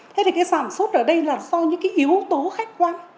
thế thì cái sản xuất ở đây là do những cái yếu tố khách quan